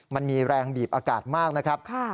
มันมีแรงบีบอากาศมากนะครับ